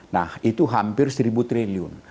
nah itu hampir seribu triliun